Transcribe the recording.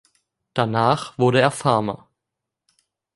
Danach wurde er Farmer.